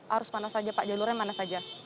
arus mana saja pak jalurnya mana saja